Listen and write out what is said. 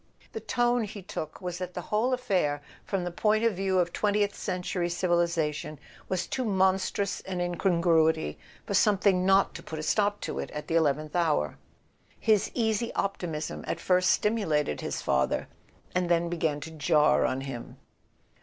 The tone he took was that the wdiole affair, from the point of view of twentieth century civilization, was too monstrous an incongruity for something not to put a stop to it at the eleventh hour. His easy op¬ timism at first stimulated his father, and then began to jar on him.